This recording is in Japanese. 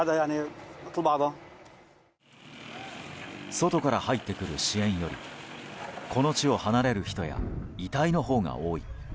外から入ってくる支援よりこの地を離れる人や遺体のほうが多い。